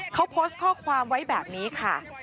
เขาโพสต์ข้อความไว้แบบนี้ค่ะ